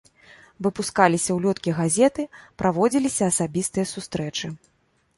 Выпускаліся ўлёткі, газеты, праводзіліся асабістыя сустрэчы.